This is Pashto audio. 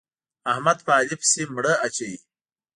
احمد په علي پسې مړه اچوي.